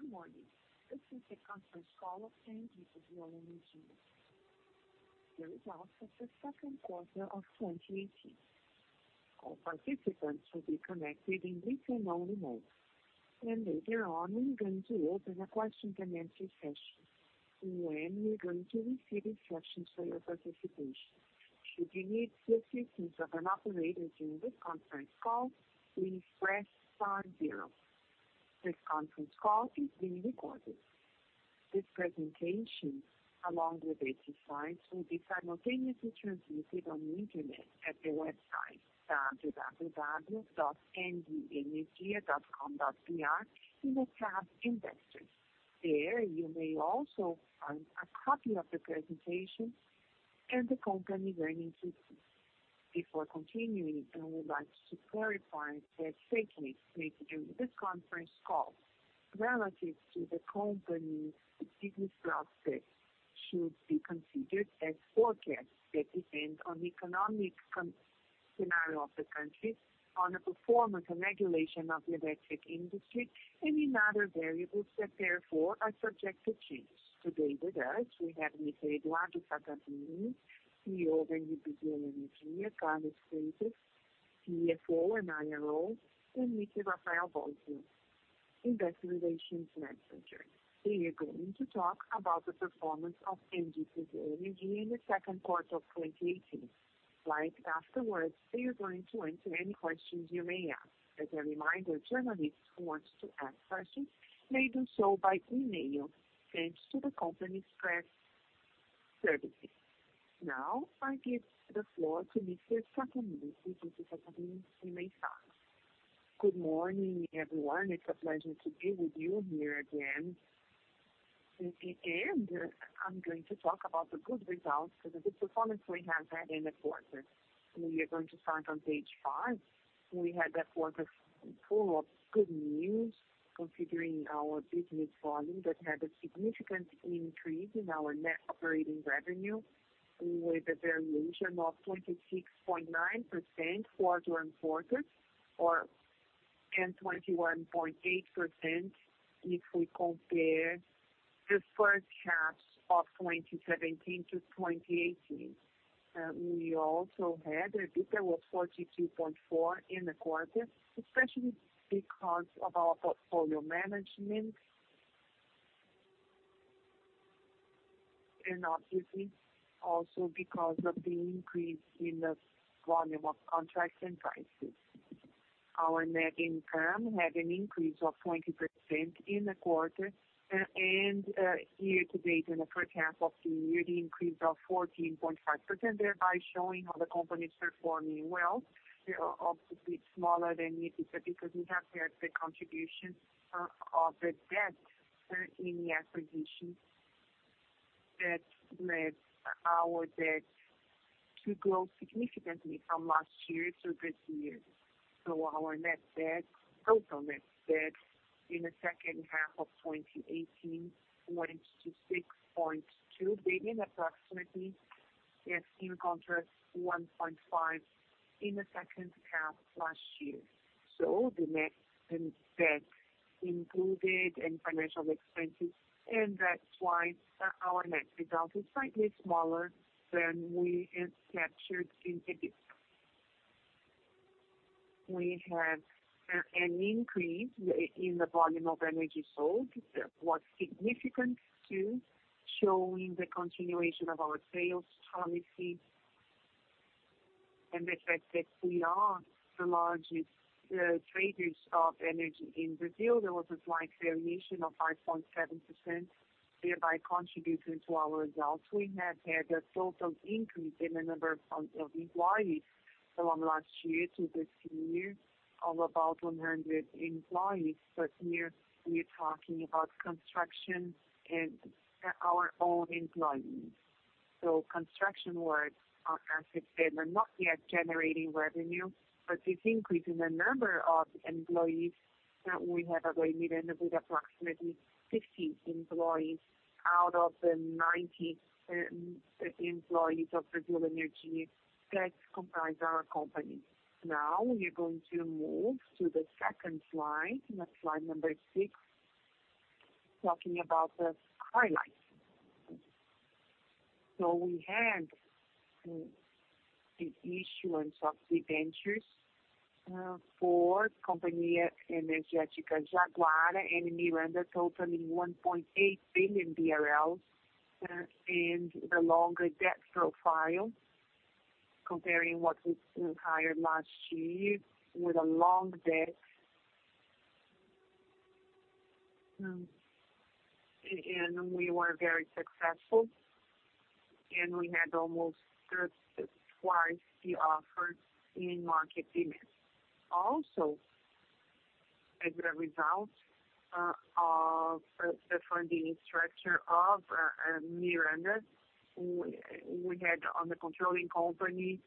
Good morning. This is a conference call of ENGIE Brasil Energia. Here is Alpha. This is the second quarter of 2018. All participants will be connected in listen-only mode. Later on, we're going to open a question-and-answer session. You are going to receive instructions for your participation. Should you need the assistance of an operator during this conference call, please press star zero. This conference call is being recorded. This presentation, along with exercise, will be simultaneously transmitted on the internet at the website www.engie.com.br in the tab Investors. There you may also find a copy of the presentation and the company learning system. Before continuing, I would like to clarify that statements made during this conference call relative to the company's business process should be considered as forecasts that depend on the economic scenario of the country, on the performance and regulation of the electric industry, and in other variables that therefore are subject to change. Today with us, we have Mr. Eduardo Sattamini, CEO of ENGIE Brasil Energia, Carlos Freitas, CFO and IRO, and Mr. Rafael Bósio, Investor Relations Manager. They are going to talk about the performance of ENGIE Brasil Energia in the second quarter of 2018. Right afterwards, they are going to answer any questions you may have. As a reminder, journalists who want to ask questions may do so by email sent to the company's press services. Now, I give the floor to Mr. Sattamini. Mr. Sattamini, you may start. Good morning, everyone. is a pleasure to be with you here again. I am going to talk about the good results that the performance we have had in the quarter. We are going to start on page five. We had a quarter full of good news considering our business volume that had a significant increase in our net operating revenue with a variation of 26.9% quarter-on-quarter and 21.8% if we compare the first half of 2017 to 2018. We also had a dip of 42.4% in the quarter, especially because of our portfolio management and obviously also because of the increase in the volume of contracts and prices. Our net income had an increase of 20% in the quarter, and year to date in the first half of the year, the increase of 14.5%, thereby showing how the company is performing well. They are obviously smaller than it is because we have had the contribution of the debt in the acquisition that led our debt to grow significantly from last year to this year. Our net debt, total net debt in the second half of 2018, went to 6.2 billion, approximately, in contrast to 1.5 billion in the second half last year. The net debt included financial expenses, and that's why our net result is slightly smaller than we captured in the dip. We have an increase in the volume of energy sold, what's significant to showing the continuation of our sales policy and the fact that we are the largest traders of energy in Brazil. There was a slight variation of 5.7%, thereby contributing to our results. We have had a total increase in the number of employees from last year to this year of about 100 employees. Here, we are talking about construction and our own employees. Construction work, as I said, are not yet generating revenue, but this increase in the number of employees that we have avoided ended with approximately 50 employees out of the 90 employees of ENGIE that comprise our company. Now, we are going to move to the second slide, slide number six, talking about the highlights. We had the issuance of debentures for the company Energética Jaguara and Miranda, totaling 1.8 billion BRL, and the longer debt profile comparing what we hired last year with a long debt. We were very successful, and we had almost twice the offer in market demand. Also, as a result of the funding structure of Miranda, we had on the controlling company,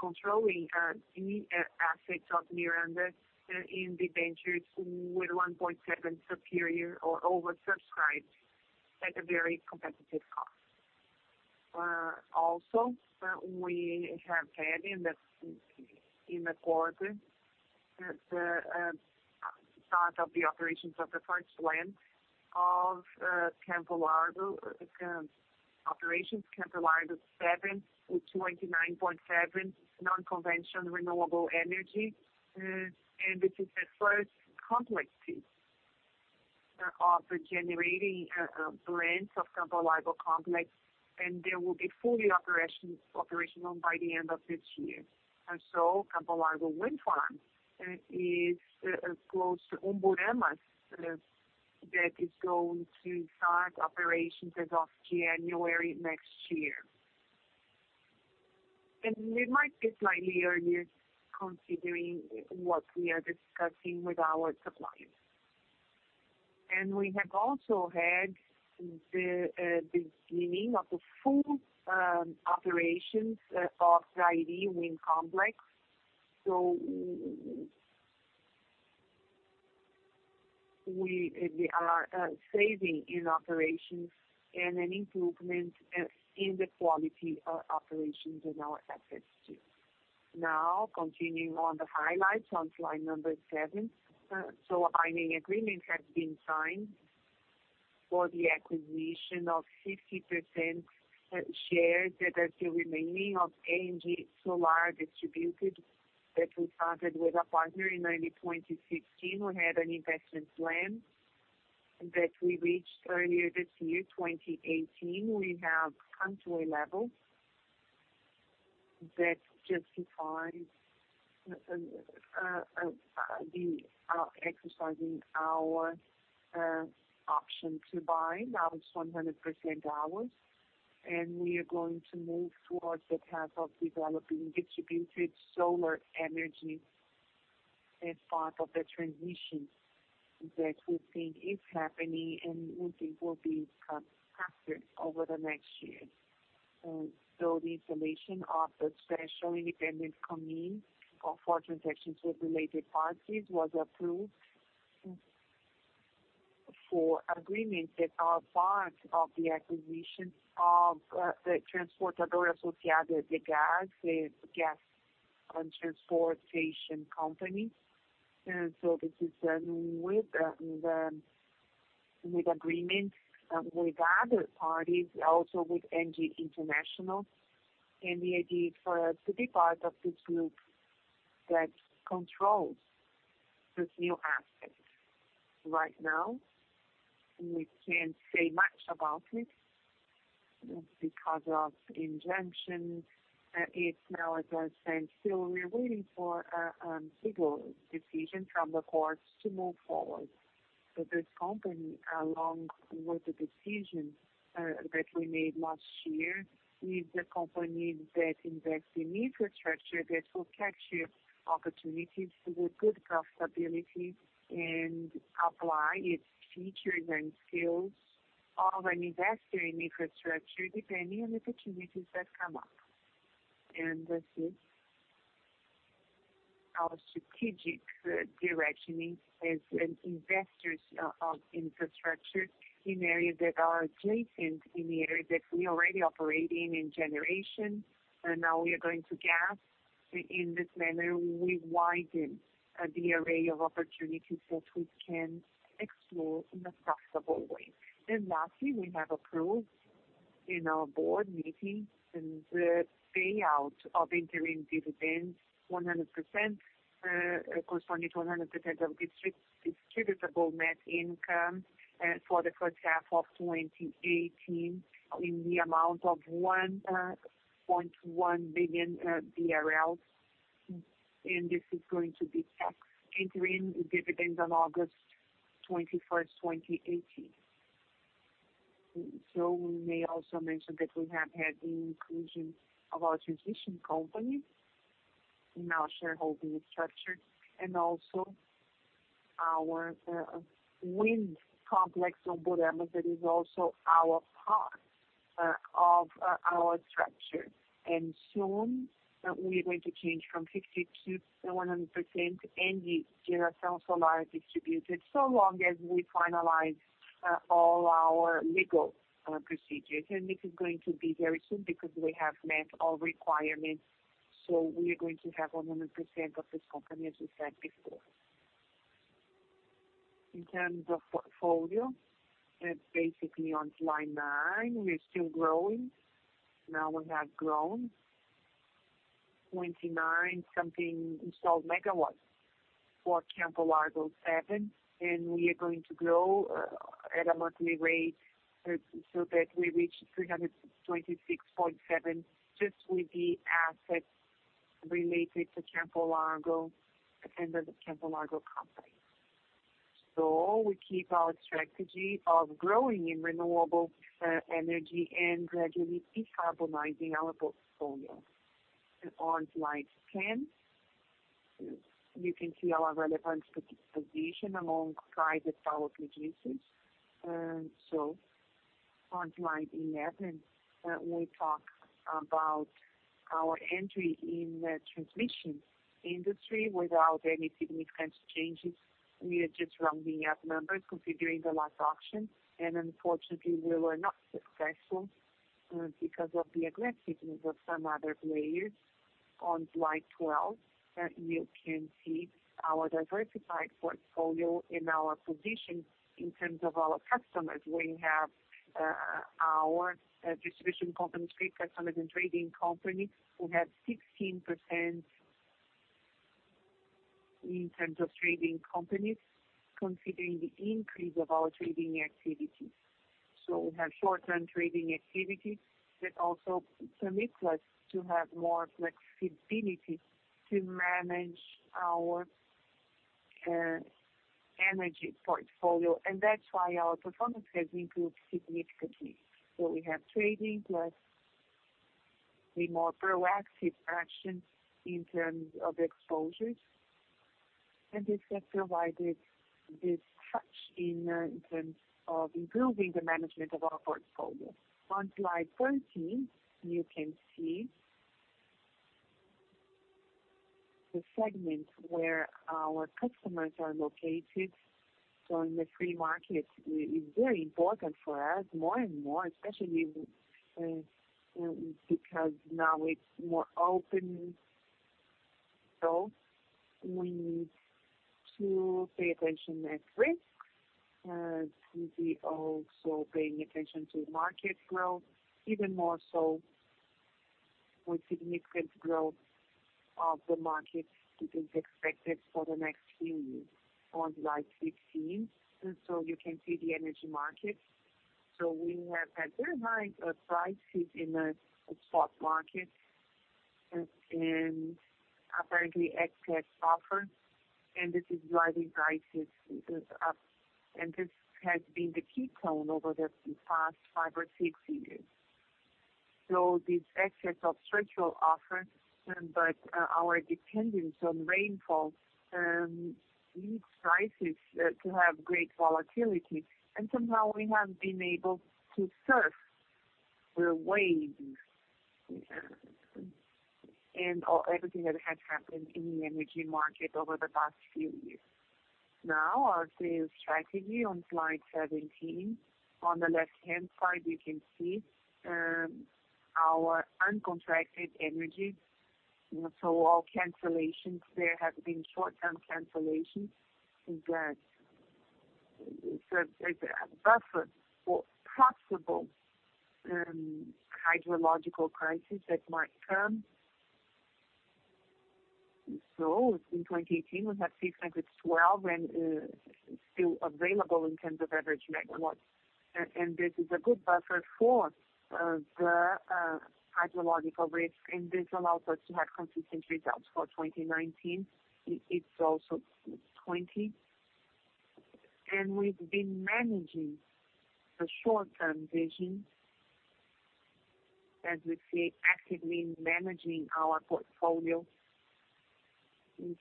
controlling assets of Miranda in the debentures with 1.7 superior or oversubscribed at a very competitive cost. Also, we have had in the quarter, at the start of the operations of the first plant of Campo Largo operations, Campo Largo 7 with 29.7 non-conventional renewable energy, and this is the first complex piece of generating a branch of Campo Largo complex, and there will be fully operational by the end of this year. Campo Largo Wind Farm is close to Umburanas that is going to start operations as of January next year. We might be slightly earlier considering what we are discussing with our suppliers. We have also had the beginning of the full operations of the ID Wind Complex. We are saving in operations and an improvement in the quality of operations in our assets too. Now, continuing on the highlights on slide number seven, a binding agreement has been signed for the acquisition of 50% shares that are still remaining of ENGIE Solar Distributed that we started with a partner in early 2016. We had an investment plan that we reached earlier this year, 2018. We have come to a level that justifies exercising our option to buy, now it's 100% ours. We are going to move towards the path of developing distributed solar energy as part of the transition that we think is happening and we think will be faster over the next year. The installation of the special independent committee for transactions with related parties was approved for agreement that our part of the acquisition of Transportadora Associada de Gás, the gas transportation company. This is done with agreement with other parties, also with ENGIE International, and the idea is for us to be part of this group that controls this new asset. Right now, we can't say much about it because of injunctions. It is now at a standstill. We are waiting for a legal decision from the courts to move forward. This company, along with the decision that we made last year, is a company that invests in infrastructure that will capture opportunities with good profitability and apply its features and skills of an investor in infrastructure depending on opportunities that come up. This is our strategic direction as investors of infrastructure in areas that are adjacent, in the area that we already operate in and generation. Now we are going to gas. In this manner, we widen the array of opportunities that we can explore in a profitable way. Lastly, we have approved in our board meeting the payout of interim dividends, 100%, corresponding to 100% of distributable net income for the first half of 2018 in the amount of 1.1 billion BRL. This is going to be taxed interim dividends on August 21, 2018. We may also mention that we have had the inclusion of our transition company, now shareholding structure, and also our wind complex, Umburanas, that is also part of our structure. Soon, we are going to change from 50% to 100% ENGIE Solar Distributed so long as we finalize all our legal procedures. This is going to be very soon because we have met all requirements. We are going to have 100% of this company, as we said before. In terms of portfolio, basically on slide nine, we are still growing. Now we have grown 29 something installed MW for Campo Largo 7, and we are going to grow at a monthly rate so that we reach 326.7 MW just with the assets related to Campo Largo and the Campo Largo company. We keep our strategy of growing in renewable energy and gradually decarbonizing our portfolio. On slide 10, you can see our relevant position among private power producers. On slide 11, we talk about our entry in the transmission industry without any significant changes. We are just rounding up numbers considering the last auction, and unfortunately, we were not successful because of the aggressiveness of some other players. On slide 12, you can see our diversified portfolio and our position in terms of our customers. We have our distribution companies, pre-customers and trading companies who have 16% in terms of trading companies considering the increase of our trading activity. We have short-term trading activity that also permits us to have more flexibility to manage our energy portfolio, and that's why our performance has improved significantly. We have trading plus a more proactive action in terms of exposures, and this has provided this touch in terms of improving the management of our portfolio. On slide 13, you can see the segment where our customers are located. In the free market, it's very important for us more and more, especially because now it's more open. We need to pay attention at risk, also paying attention to market growth, even more so with significant growth of the market that is expected for the next few years. On slide 15, you can see the energy market. We have had very high prices in the spot market and apparently excess offers, and this is driving prices up. This has been the key tone over the past five or six years. This excess of structural offers, but our dependence on rainfall leads prices to have great volatility. Somehow, we have been able to surf the waves and everything that has happened in the energy market over the last few years. Now, our sales strategy on slide 17, on the left-hand side, you can see our uncontracted energy. All cancellations, there have been short-term cancellations that serve as a buffer for possible hydrological crises that might come. In 2018, we had 612 MW and still available in terms of average megawatts. This is a good buffer for the hydrological risk, and this allows us to have consistent results for 2019. It is also 2020. We have been managing the short-term vision as we see actively managing our portfolio.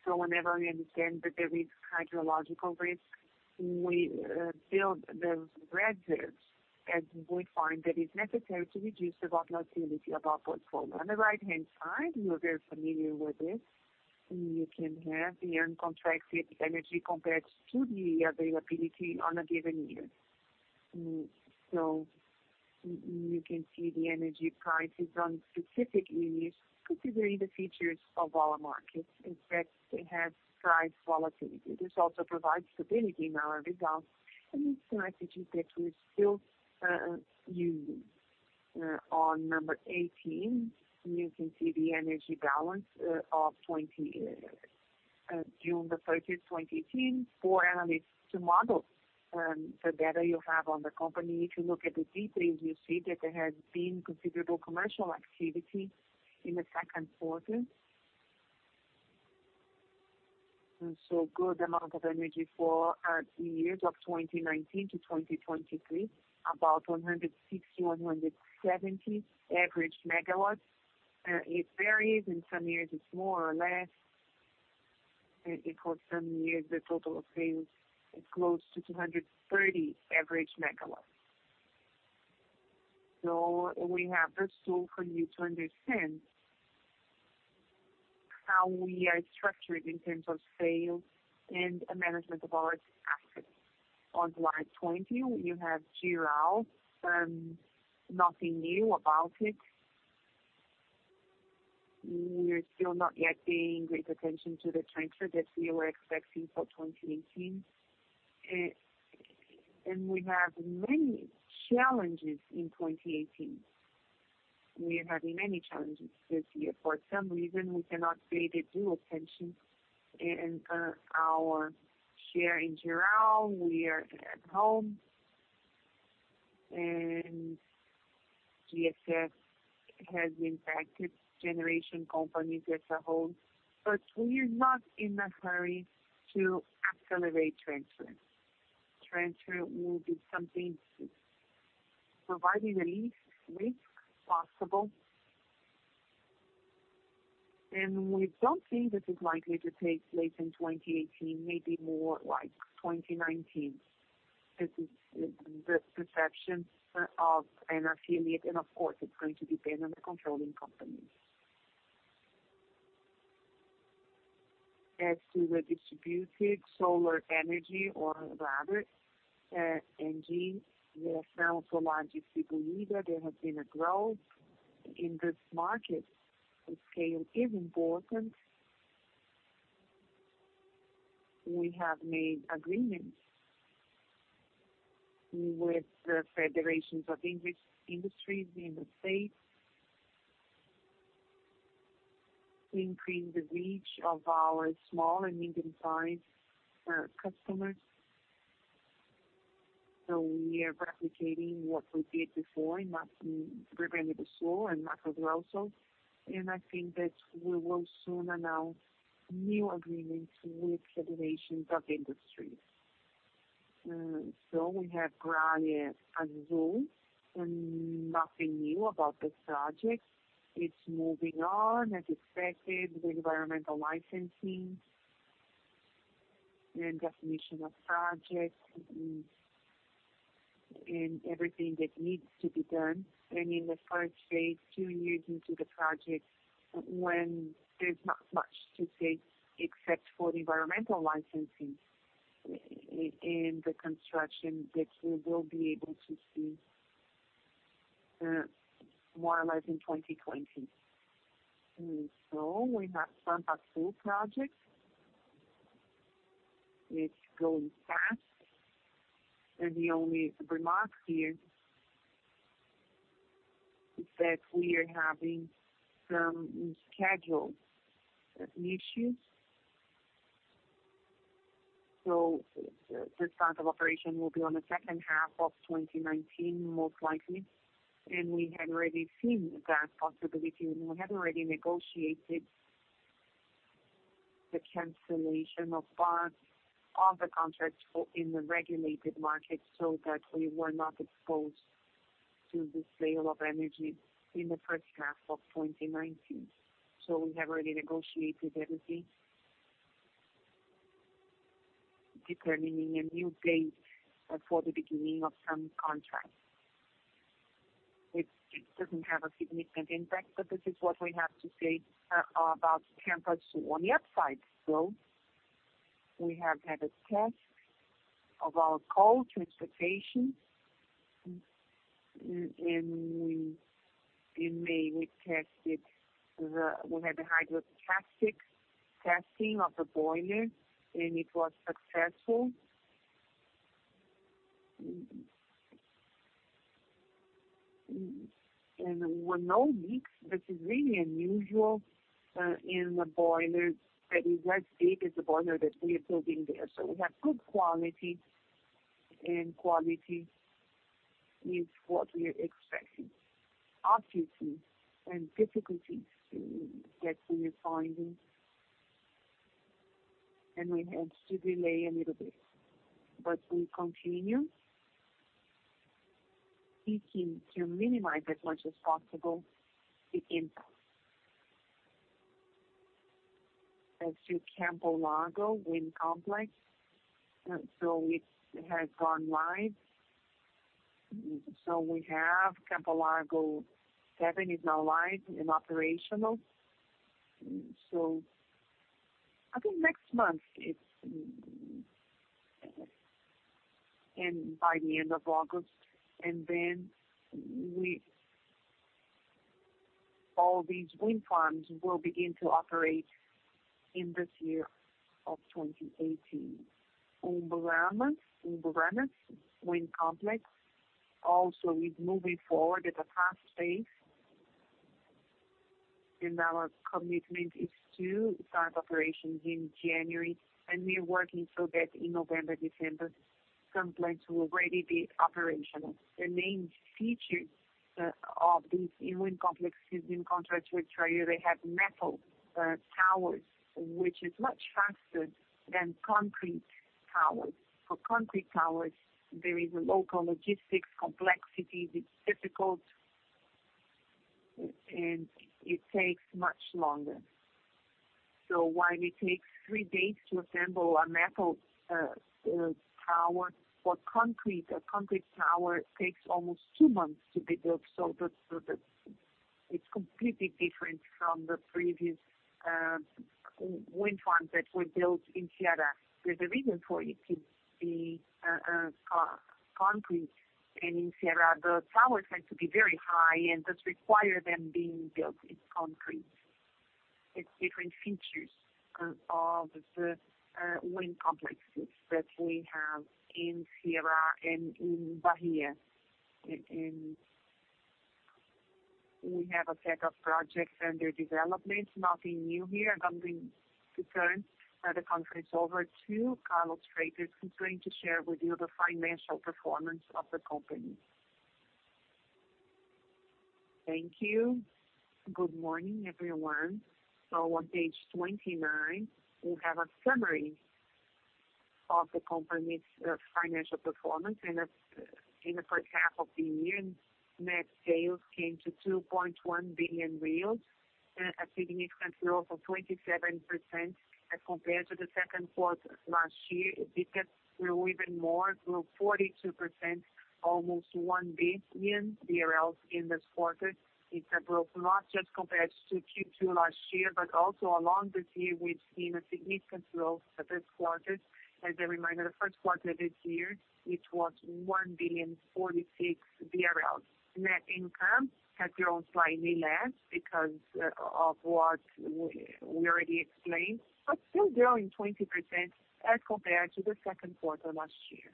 Whenever we understand that there is hydrological risk, we build the reserves as we find that it is necessary to reduce the volatility of our portfolio. On the right-hand side, you are very familiar with this. You can have the uncontracted energy compared to the availability on a given year. You can see the energy prices on specific units considering the features of our markets that have price volatility. This also provides stability in our results, and it is a strategy that we are still using. On number 18, you can see the energy balance of June 30, 2018. For analysts to model the data you have on the company, if you look at the details, you see that there has been considerable commercial activity in the second quarter. A good amount of energy for years of 2019 to 2023, about 160-170 average MW. It varies in some years; it is more or less. For some years, the total sales is close to 230 average MW. We have this tool for you to understand how we are structured in terms of sales and management of our assets. On slide 20, you have Geral. Nothing new about it. We are still not yet paying great attention to the transfer that we were expecting for 2018. We have many challenges in 2018. We are having many challenges this year. For some reason, we cannot pay the due attention and our share in Jirau. We are at home, and GSF has impacted generation companies as a whole. We are not in a hurry to accelerate transfer. Transfer will be something providing the least risk possible. We do not think that it is likely to take place in 2018, maybe more like 2019. This is the perception of an affiliate, and of course, it is going to depend on the controlling company. As to the distributed solar energy or rather ENGIE, we have found so large distribution that there has been a growth in this market. The scale is important. We have made agreements with the federations of industries in the state to increase the reach of our small and medium-sized customers. We are replicating what we did before in Rio Grande do Sul and Mato Grosso. I think that we will soon announce new agreements with federations of industries. We have Gralha Azul. Nothing new about this project. It's moving on as expected with environmental licensing and definition of projects and everything that needs to be done. In the first phase, two years into the project, there is not much to say except for environmental licensing and the construction that we will be able to see more or less in 2020. We have some pass-through projects. It's going fast. The only remark here is that we are having some schedule issues. This round of operation will be in the second half of 2019, most likely. We had already seen that possibility, and we had already negotiated the cancellation of parts of the contracts in the regulated market so that we were not exposed to the sale of energy in the first half of 2019. We have already negotiated everything, determining a new date for the beginning of some contracts. It does not have a significant impact, but this is what we have to say about Pampa Sul on the upside. We have had a test of our coal transportation, and in May, we tested the hydroelectric testing of the boiler, and it was successful. With no leaks, this is really unusual in a boiler that is as big as the boiler that we are building there. We have good quality, and quality is what we are expecting. Obviously, there are difficulties that we are finding. We had to delay a little bit, but we continue seeking to minimize as much as possible the impact. As to Campo Largo Wind Complex, it has gone live. We have Campo Largo 7 is now live and operational. I think next month, and by the end of August, all these wind farms will begin to operate in this year of 2018. Umburanas Wind Complex also is moving forward at a fast pace. Our commitment is to start operations in January, and we are working so that in November, December, some plants will already be operational. The main feature of these wind complexes, in contrast with Cear`a, is they have metal towers, which is much faster than concrete towers. For concrete towers, there is a local logistics complexity. It's difficult, and it takes much longer. While it takes three days to assemble a metal tower, a concrete tower takes almost two months to be built. It's completely different from the previous wind farms that were built in Cear`a. There's a reason for it to be concrete. In Cear`a, the towers have to be very high, and this requires them being built in concrete. It is different features of the wind complexes that we have in Cear`a and in Bahia. We have a set of projects under development. Nothing new here. I am going to turn the conference over to Carlos Freitas, who is going to share with you the financial performance of the company. Thank you. Good morning, everyone. On page 29, we have a summary of the company's financial performance. In the first half of the year, net sales came to 2.1 billion reais, a significant growth of 27% as compared to the second quarter last year. It did grow even more, grow 42%, almost 1 billion in this quarter. It is a growth not just compared to Q2 last year, but also along this year, we have seen a significant growth this quarter. As a reminder, the first quarter of this year, it was 1.46 billion. Net income has grown slightly less because of what we already explained, but still growing 20% as compared to the second quarter last year.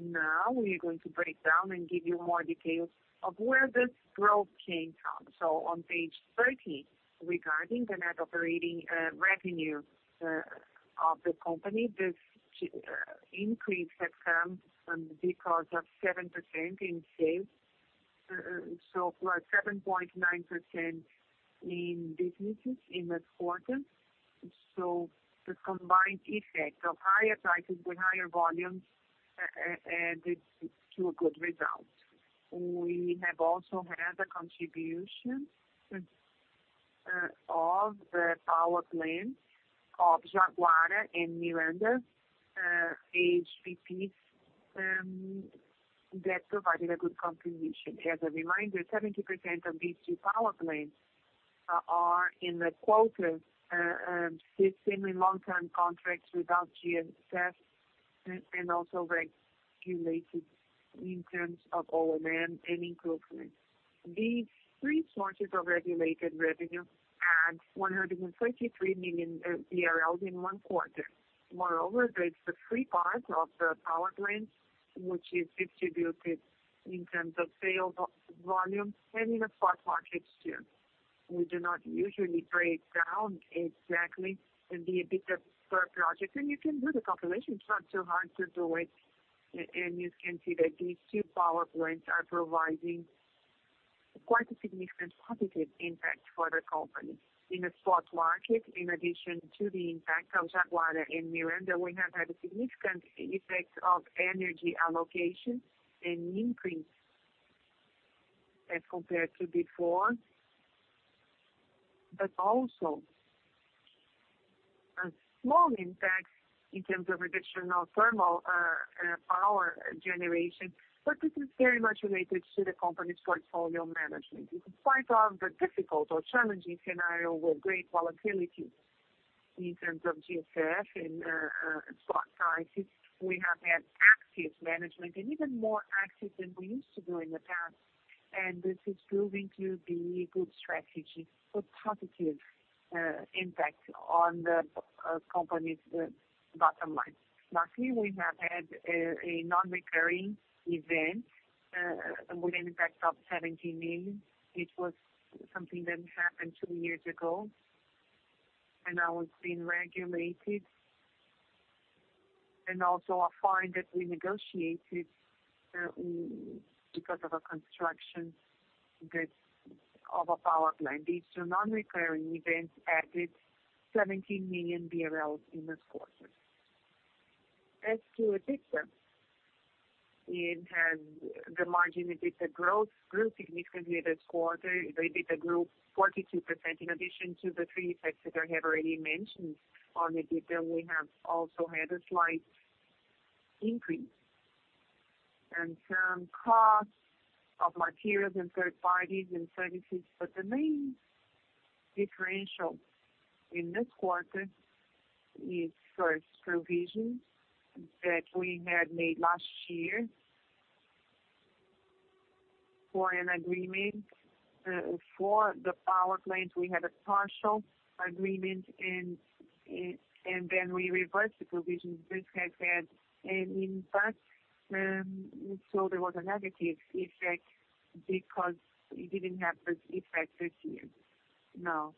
Now, we are going to break down and give you more details of where this growth came from. On page 30, regarding the net operating revenue of the company, this increase has come because of 7% in sales. It was 7.9% in businesses in this quarter. The combined effect of higher prices with higher volumes added to a good result. We have also had a contribution of the power plants of Jaguara and Miranda HPPs that provided a good contribution. As a reminder, 70% of these two power plants are in the quota system in long-term contracts without GSF and also regulated in terms of O&M and improvement. These three sources of regulated revenue add 133 million in one quarter. Moreover, there's the free part of the power plants, which is distributed in terms of sales volume and in the spot markets too. We do not usually break down exactly the biggest per project, and you can do the calculation. It's not too hard to do it. You can see that these two power plants are providing quite a significant positive impact for the company. In the spot market, in addition to the impact of Jaguara and Miranda, we have had a significant effect of energy allocation and increase as compared to before. There is also a small impact in terms of reduction of thermal power generation, but this is very much related to the company's portfolio management. In spite of the difficult or challenging scenario with great volatility in terms of GSF and spot prices, we have had active management and even more active than we used to do in the past. This is proving to be a good strategy with positive impact on the company's bottom line. Lastly, we have had a non-recurring event with an impact of BRL 70 million. It was something that happened two years ago, and I was being regulated. Also, a fine that we negotiated because of a construction of a power plant. These two non-recurring events added 70 million BRL in this quarter. As to EBITDA, it has the margin. EBITDA growth grew significantly this quarter. EBITDA grew 42% in addition to the three effects that I have already mentioned. On EBITDA, we have also had a slight increase in some costs of materials and third parties and services. The main differential in this quarter is first provision that we had made last year for an agreement for the power plant. We had a partial agreement, and then we reversed the provision. This has had an impact. There was a negative effect because we did not have this effect this year. Now,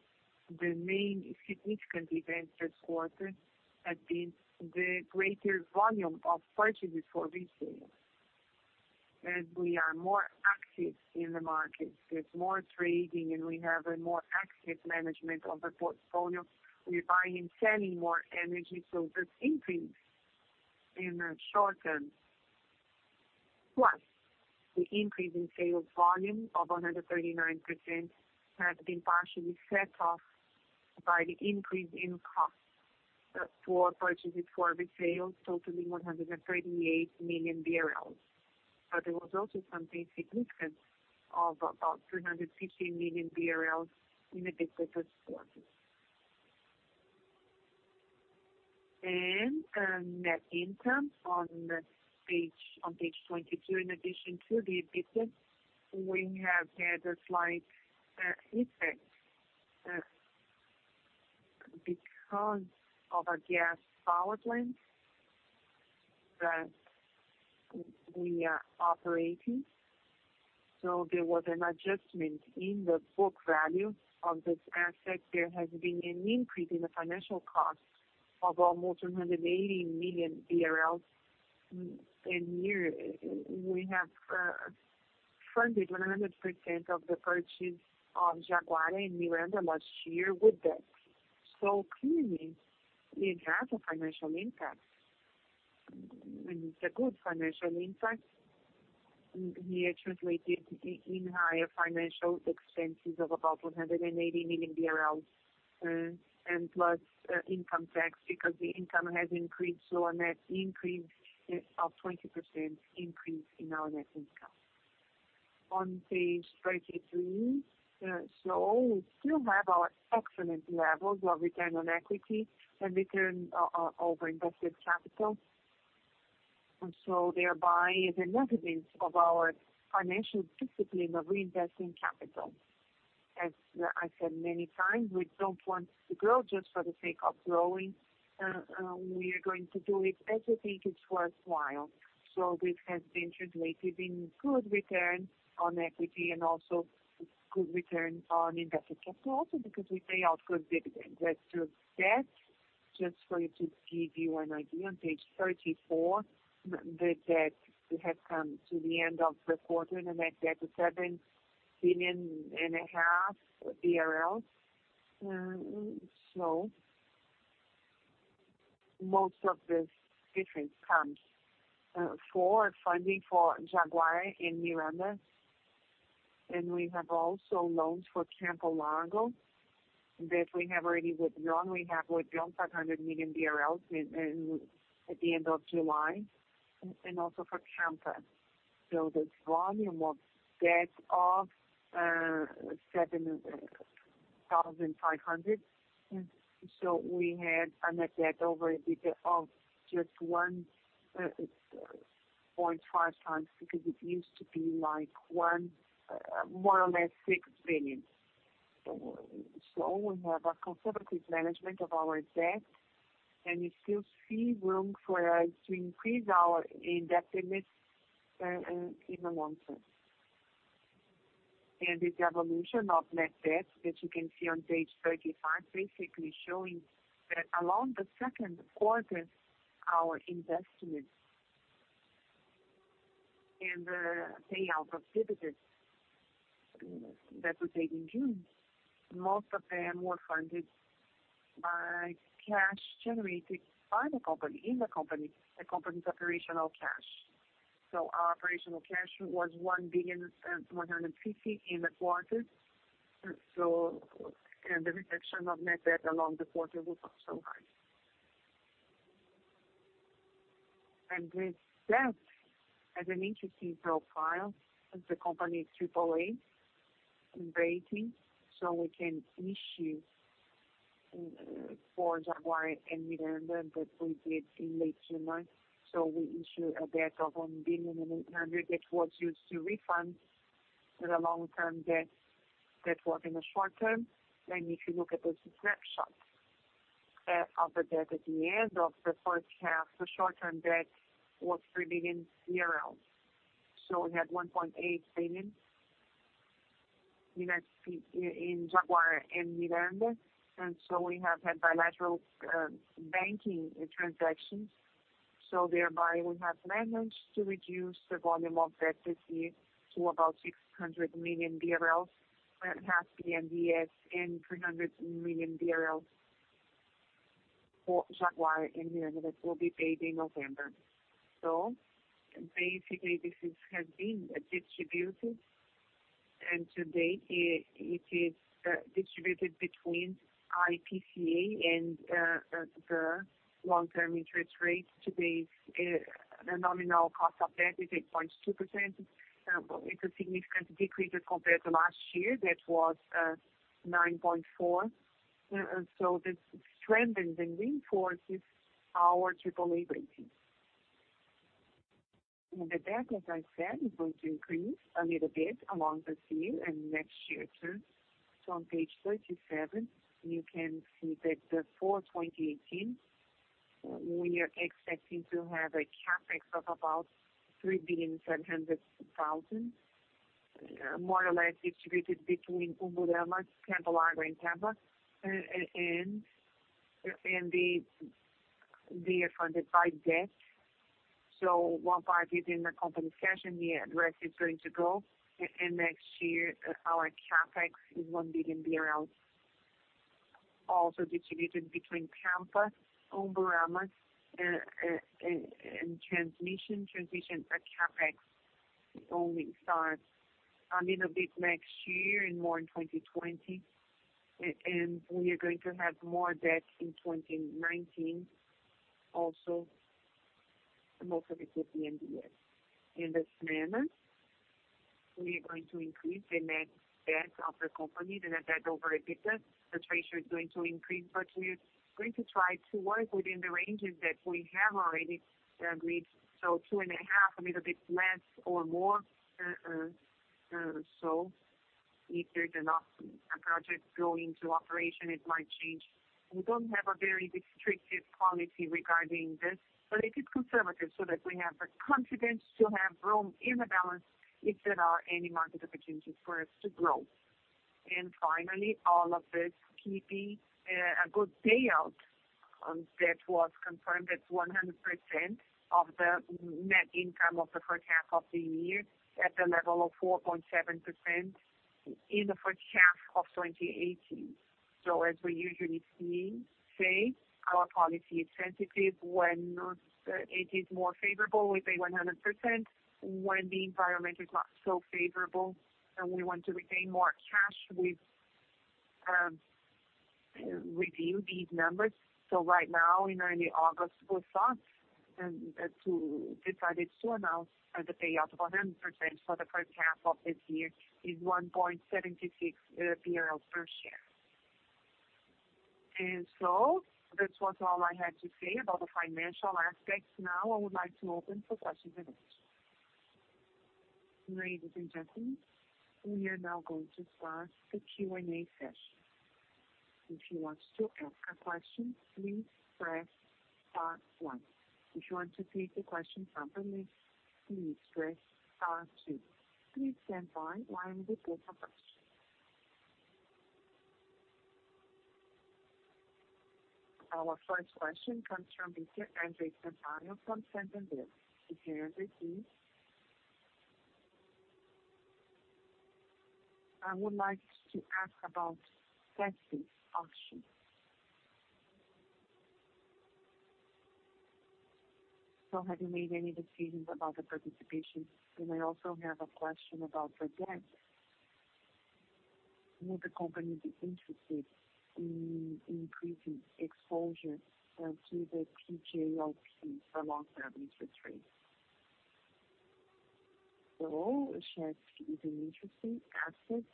the main significant event this quarter has been the greater volume of purchases for resale. As we are more active in the market, there is more trading, and we have a more active management of the portfolio. We are buying and selling more energy. This increase in the short term, plus the increase in sales volume of 139%, has been partially set off by the increase in costs for purchases for resale, totaling 138 million BRL. There was also something significant of about 350 million BRL in EBITDA this quarter. Net income on page 22, in addition to the EBITDA, we have had a slight effect because of a gas power plant that we are operating. There was an adjustment in the book value of this asset. There has been an increase in the financial cost of almost 180 million BRL. We have funded 100% of the purchase of Jaguara and Miranda last year with debt. Clearly, it has a financial impact. It is a good financial impact. We are translating in higher financial expenses of about BRL 180 million plus income tax because the income has increased to a net increase of 20% in our net income. On page 33, we still have our excellent levels of return on equity and return on invested capital. Thereby, it is a negative of our financial discipline of reinvesting capital. As I said many times, we don't want to grow just for the sake of growing. We are going to do it as we think it's worthwhile. This has been translated in good return on equity and also good return on invested capital, also because we pay out good dividends. As to debt, just to give you an idea, on page 34, the debt has come to the end of the quarter, and the net debt is 7.5 billion. Most of this difference comes from funding for Jaguara and Miranda. We have also loans for Campo Largo that we have already withdrawn. We have withdrawn 500 million BRL at the end of July and also for Pampa. This volume of debt of 7.5 billion. We had a net debt over EBITDA of just 1.5 times because it used to be like more or less 6 billion. We have a conservative management of our debt, and we still see room for us to increase our indebtedness in the long term. This evolution of net debt that you can see on page 35 basically showing that along the second quarter, our investments and the payout of dividends that were paid in June, most of them were funded by cash generated by the company, the company's operational cash. Our operational cash was 1.15 billion in the quarter. The reduction of net debt along the quarter was also high. With debt as an interesting profile, the company is triple-A rating. We can issue for Jaguara and Miranda that we did in late June. We issue a debt of 1.8 billion that was used to refund the long-term debt that was in the short term. If you look at the snapshot of the debt at the end of the first half, the short-term debt was BRL 3 billion. We had 1.8 billion in Jaguara and Miranda. We have had bilateral banking transactions. Thereby we have managed to reduce the volume of debt this year to about 600 million, and half BNDES, and 300 million for Jaguara and Miranda that will be paid in November. Basically, this has been distributed, and today it is distributed between IPCA and the long-term interest rate. Today's nominal cost of debt is 8.2%. It is a significant decrease as compared to last year that was 9.4%. This strengthens and reinforces our AAA rating. The debt, as I said, is going to increase a little bit along this year and next year too. On page 37, you can see that for 2018, we are expecting to have a CapEx of about 3.7 billion, more or less distributed between Umburanas, Campo Largo, and Pampa, and they are funded by debt. One part is in the company's cash, and the rest is going to grow. Next year, our Capex is 1 billion BRL, also distributed between Campo Largo, Umburanas, and Transmission. Transmission Capex only starts a little bit next year and more in 2020. We are going to have more debt in 2019, also most of it with BNDES. In this manner, we are going to increase the net debt of the company, the net debt over EBITDA. The ratio is going to increase, but we are going to try to work within the ranges that we have already agreed. Two and a half, a little bit less or more. If there is a project going to operation, it might change. We do not have a very restricted policy regarding this, but it is conservative so that we have the confidence to have room in the balance if there are any market opportunities for us to grow. Finally, all of this keeping a good payout that was confirmed as 100% of the net income of the first half of the year at the level of 4.7% in the first half of 2018. As we usually say, our policy is sensitive when it is more favorable. We pay 100% when the environment is not so favorable, and we want to retain more cash. We reviewed these numbers. Right now, in early August, we thought to decide to announce the payout of 100% for the first half of this year is 1.76 BRL per share. This was all I had to say about the financial aspects. Now I would like to open for questions and answers. Ladies and gentlemen, we are now going to start the Q&A session. If you want to ask a question, please press star one. If you want to take a question properly, please press star two. Please stand by while we prepare for questions. Our first question comes from Mr. Andr`e Sampaio from Santander. Mr. Andr`e, please. I would like to ask about taxes options. Have you made any decisions about the participation? I also have a question about the debt. Would the company be interested in increasing exposure to the TJLP for long-term interest rates? Shared fees and interest rate assets.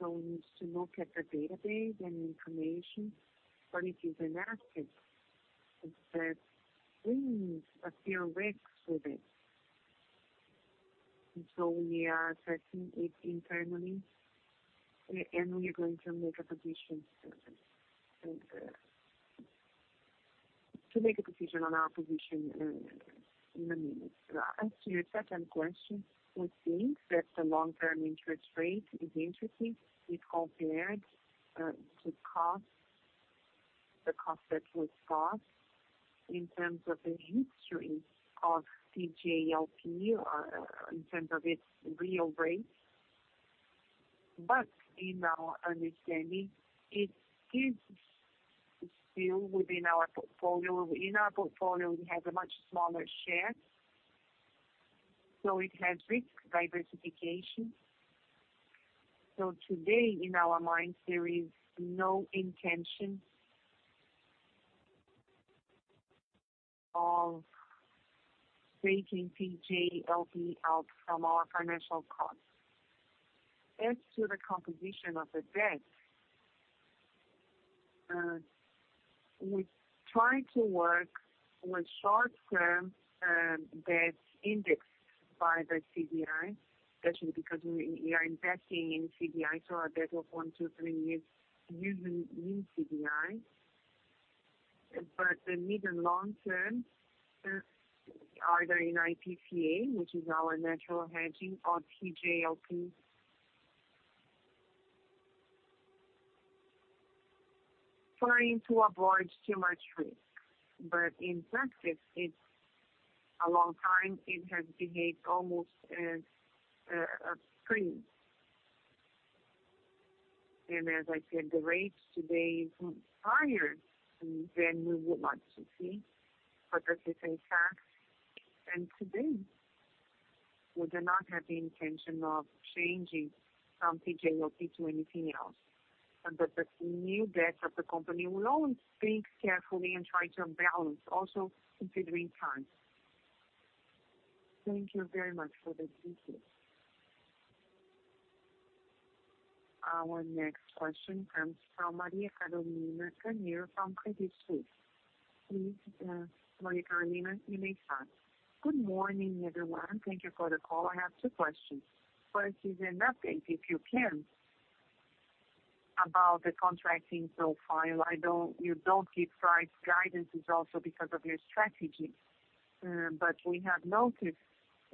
We need to look at the database and information for these unasset that brings a few risks with it. We are assessing it internally, and we are going to make a position to make a decision on our position in a minute. As to your second question, we think that the long-term interest rate is interesting if compared to the cost that was cost in terms of the history of TJLP, in terms of its real rate. In our understanding, it is still within our portfolio. In our portfolio, we have a much smaller share. It has risk diversification. Today, in our minds, there is no intention of taking TJLP out from our financial costs. As to the composition of the debt, we try to work with short-term debts indexed by the CDI, especially because we are investing in CDIs for a debt of one, two, three years using new CDIs. For the mid and long term, either in IPCA, which is our natural hedging, or TJLP, trying to avoid too much risk. In practice, it is a long time. It has behaved almost as a spring. As I said, the rates today are higher than we would like to see. This is a fact. Today, we do not have the intention of changing from TJLP to anything else. The new debts of the company will always think carefully and try to balance, also considering time. Thank you very much for the details. Our next question comes from Maria Carolina Carneiro from Credit Suisse. Please, Maria Carolina, you may start. Good morning, everyone. Thank you for the call. I have two questions. First is an update, if you can, about the contracting profile. You don't give price guidance. It's also because of your strategy. But we have noticed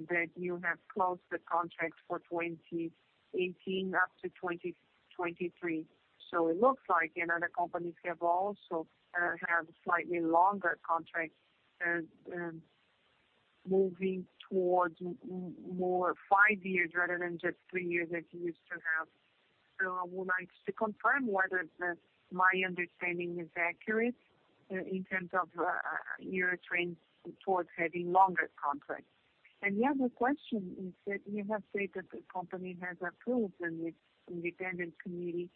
that you have closed the contract for 2018 up to 2023. So it looks like yet other companies have also had slightly longer contracts moving towards more five years rather than just three years as you used to have. So I would like to confirm whether my understanding is accurate in terms of your trend towards having longer contracts. And the other question is that you have said that the company has approved an independent committee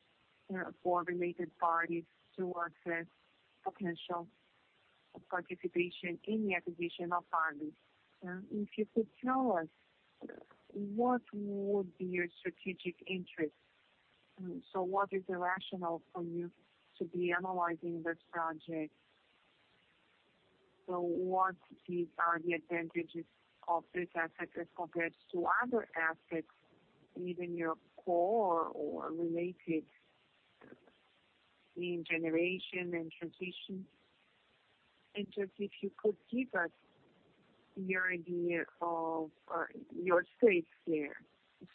for related parties to assess potential participation in the acquisition of TAG. If you could tell us, what would be your strategic interest? So what is the rationale for you to be analyzing this project? So what are the advantages of this asset as compared to other assets, either your core or related in generation and transition? And just if you could give us your idea of your stakes there.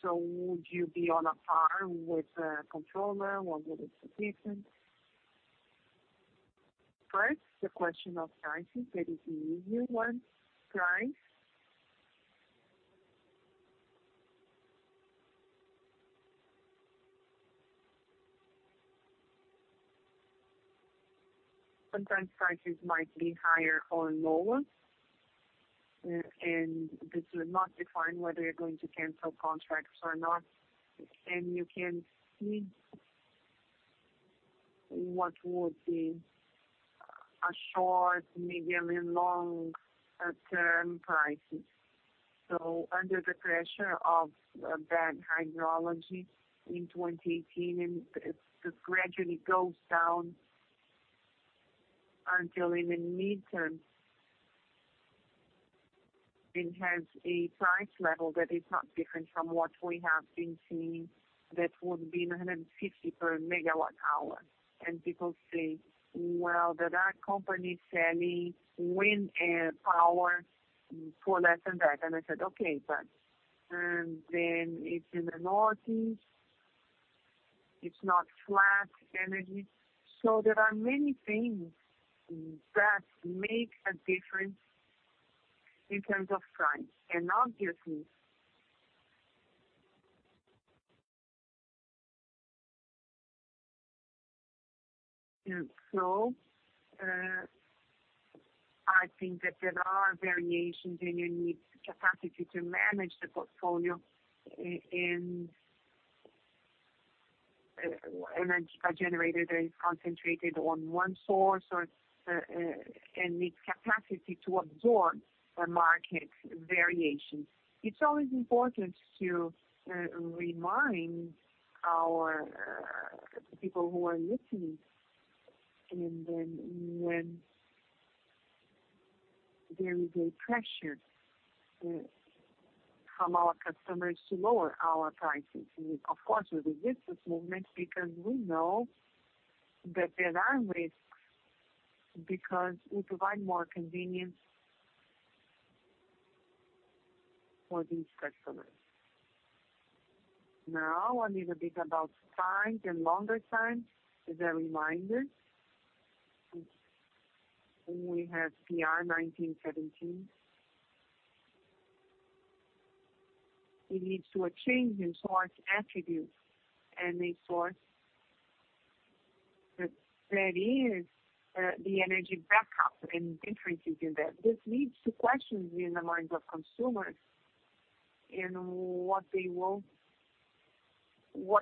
So would you be on a par with a controller or would it. Significant? First, the question of pricing, that is the easier one. Price. Sometimes prices might be higher or lower, and this will not define whether you're going to cancel contracts or not. And you can see what would be a short, medium, and long-term pricing. So under the pressure of bad hydrology in 2018, it gradually goes down until in the midterm and has a price level that is not different from what we have been seeing that would be 150 MW/hour. And people say, "Well, that our company is selling wind and power for less than that." And I said, "Okay, but then it's in the Northeast. It's not flat energy." So there are many things that make a difference in terms of price. And obviously, so I think that there are variations and you need capacity to manage the portfolio. And a generator that is concentrated on one source and needs capacity to absorb the market variations. It's always important to remind our people who are listening, and then when there is a pressure from our customers to lower our prices, of course, we resist this movement because we know that there are risks because we provide more convenience for these customers. Now, a little bit about time and longer time, as a reminder, we have [PR 1917]. It leads to a change in source attributes and a source that is the energy backup and differences in that. This leads to questions in the minds of consumers and what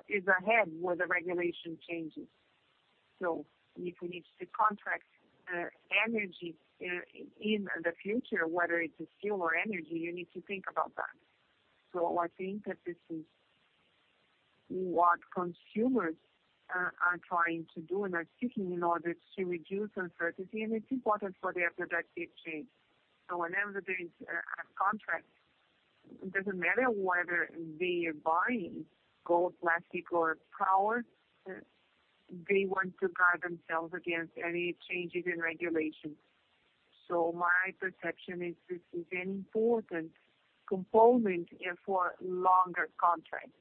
is ahead with the regulation changes. So if we need to contract energy in the future, whether it's a fuel or energy, you need to think about that. So I think that this is what consumers are trying to do and are seeking in order to reduce uncertainty, and it's important for their productive trade. So whenever there is a contract, it doesn't matter whether they are buying gold, plastic, or power. They want to guard themselves against any changes in regulation. So my perception is this is an important component for longer contracts.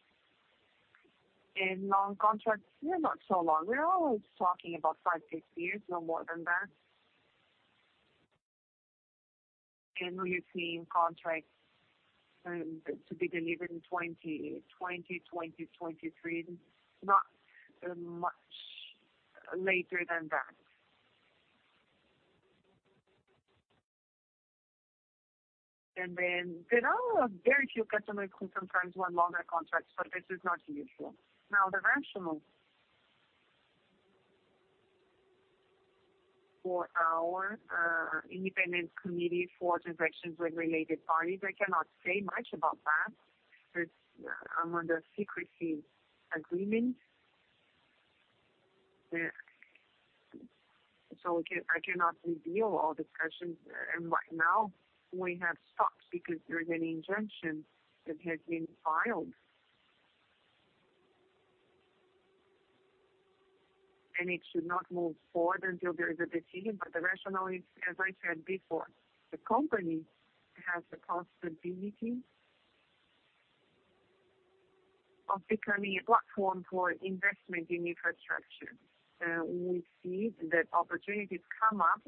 And long contracts, they're not so long. We're always talking about five, six years, no more than that. And we are seeing contracts to be delivered in 2020, 2023, not much later than that. And then there are very few customers who sometimes want longer contracts, but this is not usual. Now, the rationale for our independent committee for transactions with related parties, I cannot say much about that. It's under a secrecy agreement. So I cannot reveal all discussions. And right now, we have stopped because there is an injunction that has been filed. And it should not move forward until there is a decision. But the rationale is, as I said before, the company has the possibility of becoming a platform for investment in infrastructure. We see that opportunities come up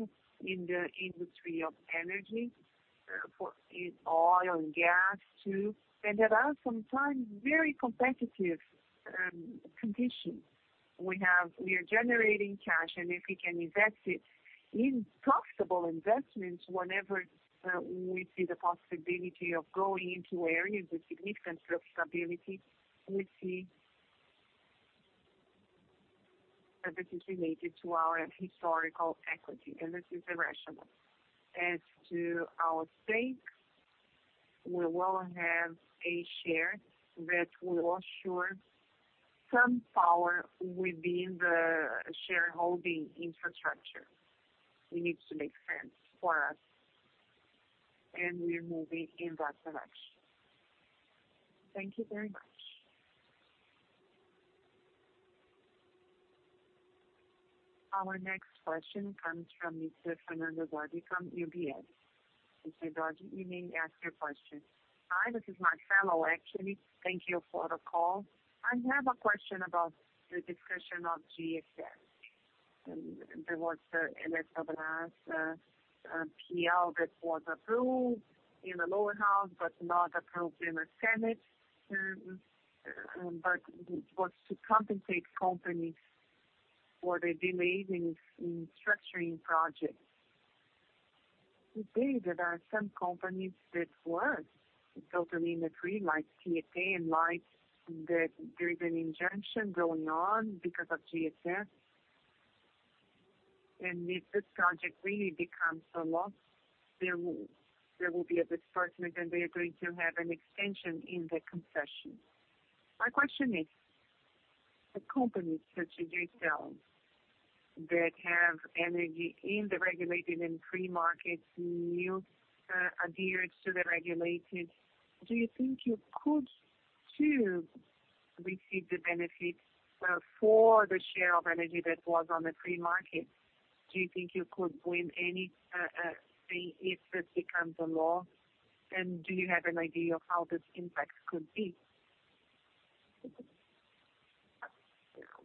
in the industry of energy, for oil and gas, too. And there are sometimes very competitive conditions. We are generating cash, and if we can invest it in profitable investments, whenever we see the possibility of going into areas with significant flexibility, we see that this is related to our historical equity. And this is the rationale. As to our stakes, we will have a share that will assure some power within the shareholding infrastructure. It needs to make sense for us and we are moving in that direction. Thank you very much. Our next question comes from Mr. Fernando Zorzi from UBS. Mr. Zorzi, you may ask your question. Hi, this is Marcelo, actually. Thank you for the call. I have a question about the discussion of GSF. There was a letter of an asset PL that was approved in the lower house but not approved in the Senate. But it was to compensate companies for their delays in structuring projects. Today, there are some companies that were totally in the green, like Tiete and Light That there is an injunction going on because of GSF. And if this project really becomes a loss, there will be a disbursement, and they are going to have an extension in the concession. My question is, a company such as yourselves that have energy in the regulated and free markets new adheres to the regulated, do you think you could, too, receive the benefit for the share of energy that was on the free market? Do you think you could win any if this becomes a law? And do you have an idea of how this impact could be?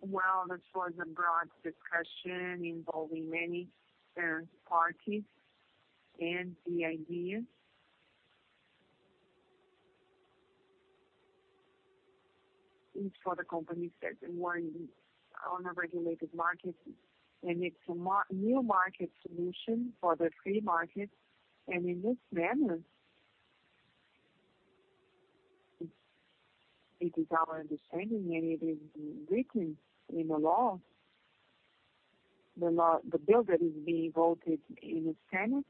Well, this was a broad discussion involving many parties and the idea. It's for the companies that were on the regulated market, and it's a new market solution for the free market. And in this manner, it is our understanding, and it is written in the law, the bill that is being voted in the Senate,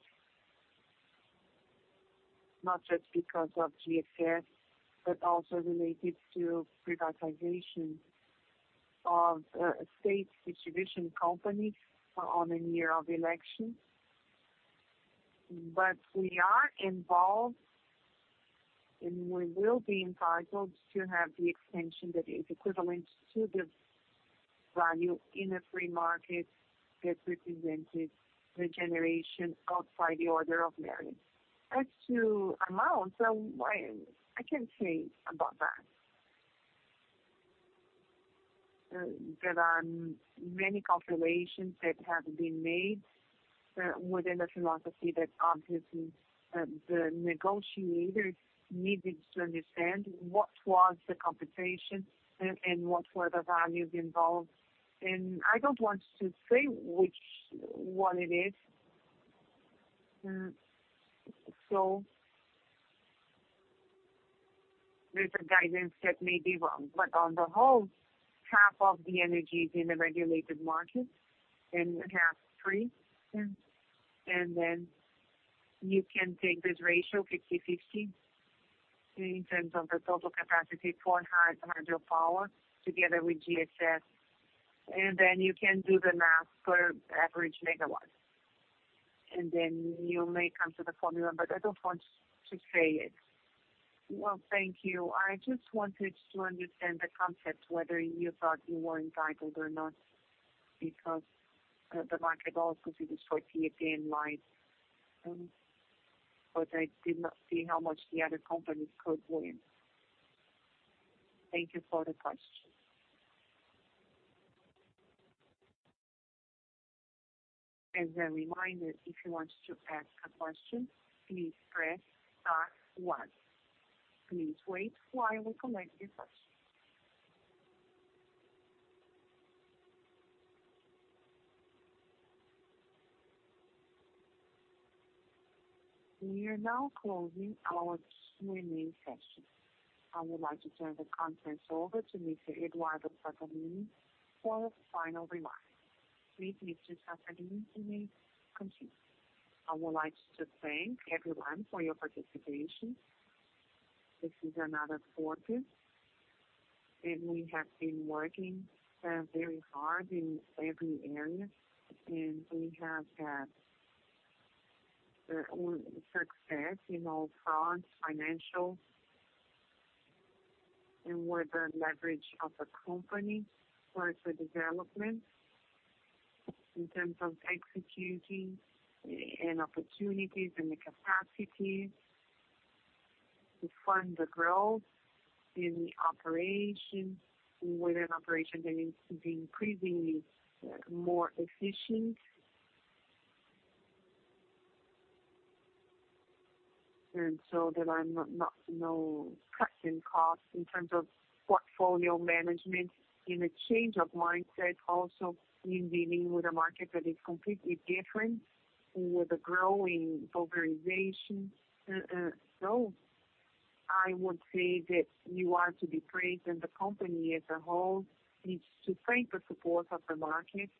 not just because of GSF, but also related to privatization of state distribution companies on the year of election. But we are involved, and we will be entitled to have the extension that is equivalent to the value in the free market that represented the generation outside the order of merit. As to amount, I can't say about that. There are many calculations that have been made within the philosophy that obviously the negotiators needed to understand what was the computation and what were the values involved. And I don't want to say what it is. So there's a guidance that may be wrong. But on the whole, half of the energy is in the regulated market and half free. And then you can take this ratio, 50/50, in terms of the total capacity for hydropower together with GSS. And then you can do the math per average megawatt. And then you may come to the formula, but I don't want to say it. Well, thank you. I just wanted to understand the concept, whether you thought you were entitled or not, because the market also considers for Tiete and Life. But I did not see how much the other companies could win. Thank you for the question. As a reminder, if you want to ask a question, please press star one. Please wait while we collect your questions. We are now closing our Q&A session. I would like to turn the conference over to Mr. Eduardo Sattamini for a final remark. Please, Mr. Sattamini, you may continue. I would like to thank everyone for your participation. This is another focus. We have been working very hard in every area, and we have had success in all fronts, financial, and with the leverage of the company towards the development in terms of executing and opportunities and the capacity to fund the growth in the operation, with an operation that needs to be increasingly more efficient. There are no cuts in costs in terms of portfolio management in a change of mindset also in dealing with a market that is completely different with a growing pulverization. I would say that you are to be praised, and the company as a whole needs to thank the support of the market.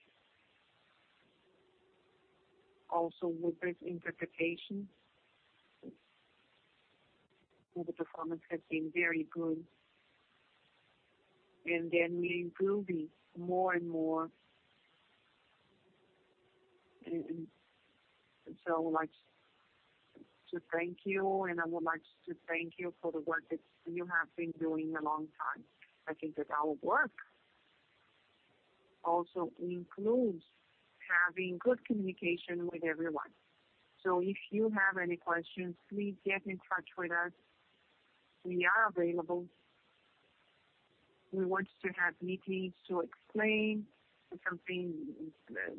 Also, with this interpretation, the performance has been very good. We are improving more and more. So I would like to thank you, and I would like to thank you for the work that you have been doing a long time. I think that our work also includes having good communication with everyone. So if you have any questions, please get in touch with us. We are available. We want to have meetings to explain something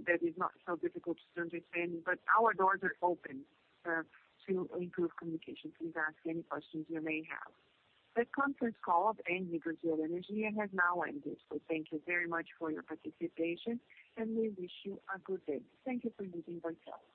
that is not so difficult to understand, but our doors are open to improve communication. Please ask any questions you may have. The conference call of ENGIE Brazil Energy has now ended. So thank you very much for your participation, and we wish you a good day. Thank you for using V.oitel